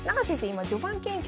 今序盤研究